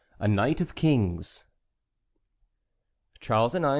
A NIGHT OF KINGS. Charles IX.